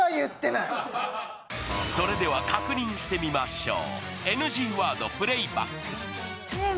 それでは確認してみましょう。